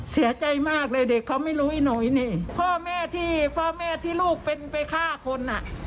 เสียใจมากเลยเด็กเขาไม่รู้ไอ้หนูนี่พ่อแม่ที่พ่อแม่ที่ลูกเป็นไปฆ่าคนอ่ะ